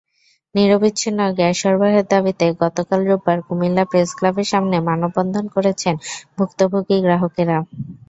নিরবচ্ছিন্ন gas সরবরাহের দাবিতে গতকাল রোববার কুমিল্লা প্রেসক্লাবের সামনে মানববন্ধন করেছেন ভুক্তভোগী গ্রাহকেরা।